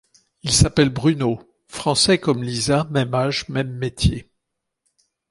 Il s'appelle Bruno, français comme Lisa, même âge, même métier.